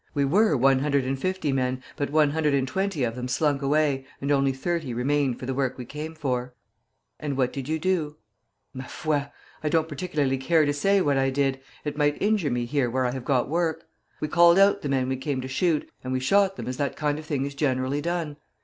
We were one hundred and fifty men, but one hundred and twenty of them slunk away, and only thirty remained for the work we came for.' "'And what did you do?' "'Ma foi! I don't particularly care to say what I did; it might injure me here where I have got work. We called out the men we came to shoot, and we shot them as that kind of thing is generally done.